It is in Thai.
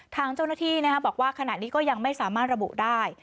ทางเจ้าหน้าที่บอกว่าขณะนี้ก็ยังไม่สามารถระบุได้